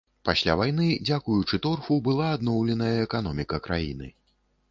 Пасля вайны, дзякуючы торфу, была адноўленая эканоміка краіны.